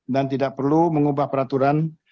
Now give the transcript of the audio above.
dan tidak perlu mengubah peraturan